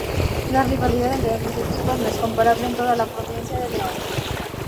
La rivalidad entre ambos equipos no es comparable en toda la provincia de León.